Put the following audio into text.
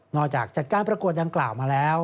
จากจัดการประกวดดังกล่าวมาแล้ว